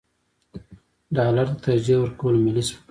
ډالر ته ترجیح ورکول ملي سپکاوی دی.